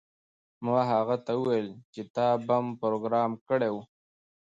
ما هغه ته وویل چې تا بم پروګرام کړی و